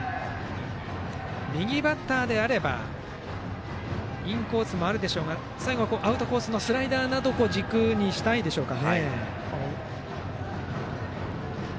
右バッターであればインコースもあるでしょうが最後はアウトコースのスライダーなどを軸にしたいでしょうか。